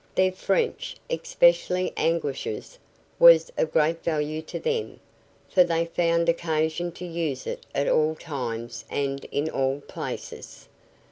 Their French, especially Anguish's, was of great value to them, for they found occasion to use it at all times and in all places.